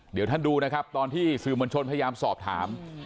เดี๋ยวท่านดูนะครับตอนที่สื่อมวลชนพยายามสอบถาม